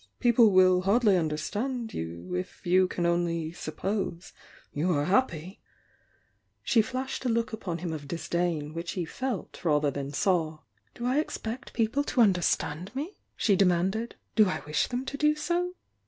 People wiU hardly understand you if you can only 'suppose you "^She^flMhed a look upon him of disdain which he felt rather than saw. ^^,,„.„ j„ "Do I expect people to understand me.' 8t.e ae manded. "Do I wish them to do so?